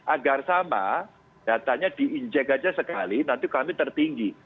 agar sama datanya di inject aja sekali nanti kami tertinggi